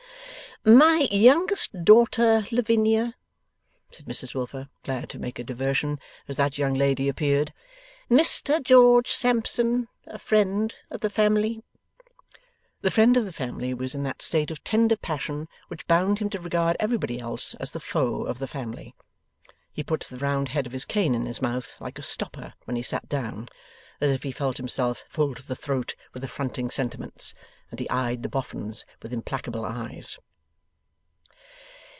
'My youngest daughter, Lavinia,' said Mrs Wilfer, glad to make a diversion, as that young lady reappeared. 'Mr George Sampson, a friend of the family.' The friend of the family was in that stage of tender passion which bound him to regard everybody else as the foe of the family. He put the round head of his cane in his mouth, like a stopper, when he sat down. As if he felt himself full to the throat with affronting sentiments. And he eyed the Boffins with implacable eyes.